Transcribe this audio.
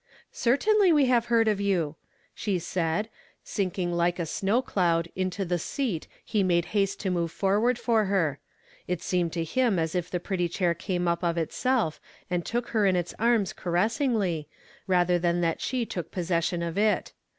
"Certainly we have heard of you!" she said, sinking like a snow cloud into the seat he made haste to move forward for her ; it seemed to him ■.I II 112 YESTERDAY FRAMED IN TO DAY. as if the pretty chair came up of itself and took Iter in its arms caressingly, rather than that she to. lie possession of it.